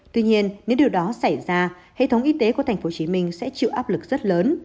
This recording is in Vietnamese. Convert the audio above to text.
tuy nhiên nếu điều đó xảy ra hệ thống y tế của tp hcm sẽ chịu áp lực rất lớn